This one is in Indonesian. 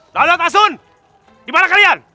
laluan asun dimana kalian